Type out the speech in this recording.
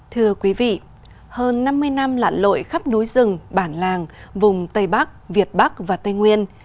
thưa quý vị hơn năm mươi năm lạn lội khắp núi rừng bản làng vùng tây bắc việt bắc và tây nguyên